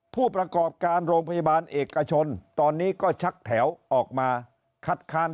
ผู้ประกอบการโรงพยาบาลเอกชนตอนนี้ก็ชักแถวออกมาคัดค้าน